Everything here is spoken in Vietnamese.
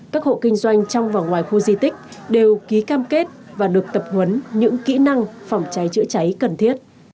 các hộ kinh doanh trong và ngoài khu di tích đều ký cam kết và được tập huấn những kỹ năng phòng cháy chữa cháy cần thiết